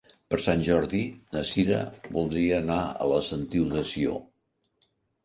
Per Sant Jordi na Sira voldria anar a la Sentiu de Sió.